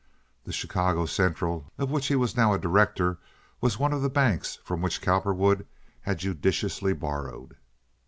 The Chicago Central, of which he was now a director, was one of the banks from which Cowperwood had judiciously borrowed.